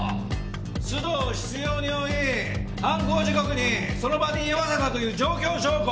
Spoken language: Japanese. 須藤を執拗に追い犯行時刻にその場に居合わせたという状況証拠。